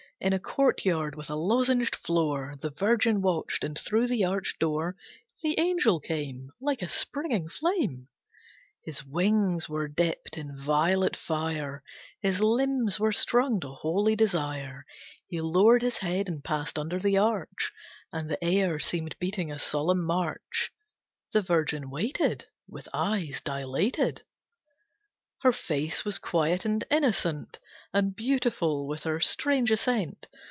In a courtyard with a lozenged floor The Virgin watched, and through the arched door The angel came Like a springing flame. His wings were dipped in violet fire, His limbs were strung to holy desire. He lowered his head and passed under the arch, And the air seemed beating a solemn march. The Virgin waited With eyes dilated. Her face was quiet and innocent, And beautiful with her strange assent.